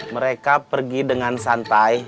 mereka pergi dengan santai